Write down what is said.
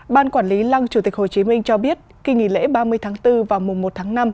ban quản lý lăng chủ tịch hồ chí minh cho biết kỳ nghỉ lễ ba mươi tháng bốn và mùa một tháng năm